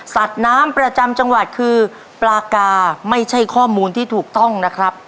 น้ำประจำจังหวัดคือปลากาไม่ใช่ข้อมูลที่ถูกต้องนะครับ